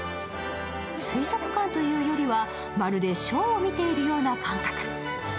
水族館というよりは、まるでショーを見ているような感覚。